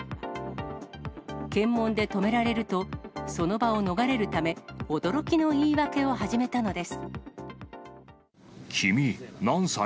検問で止められると、その場を逃れるため、驚きの言い訳を始めた君、何歳？